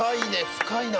深いな。